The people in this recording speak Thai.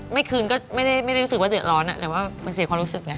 ไม่คืนก็ไม่ได้รู้สึกว่าเดือดร้อนแต่ว่ามันเสียความรู้สึกไง